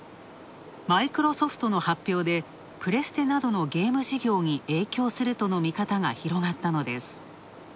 マイクロソフトの発表で、プレステなどのゲーム事業に影響するとの見方が広がったのです。